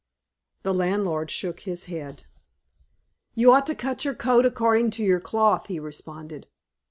The landlord shook his head. "You ought to cut your coat according to your cloth," he responded.